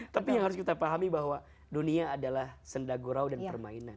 tapi yang harus kita pahami bahwa dunia adalah sendagurau dan permainan